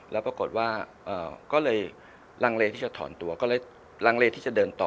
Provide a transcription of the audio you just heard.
แล้วปรากฏว่าก็เลยลังเลที่จะถอนตัวก็เลยลังเลที่จะเดินต่อ